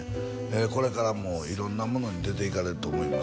これからも色んなものに出ていかれると思います